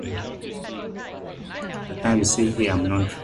One of the girls steps forward and flings herself on the ground.